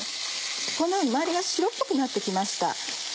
こんなふうに周りが白っぽくなって来ました。